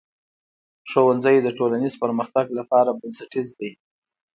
ښوونځی د ټولنیز پرمختګ لپاره بنسټیز دی.